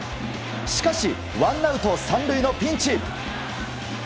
しかし、ワンアウト３塁のピンチ。